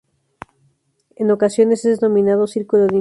En ocasiones, es denominado círculo de invierno.